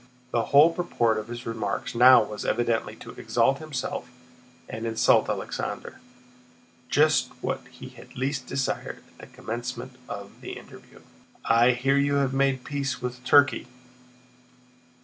The whole purport of his remarks now was evidently to exalt himself and insult Alexander—just what he had least desired at the commencement of the interview. "I hear you have made peace with Turkey?"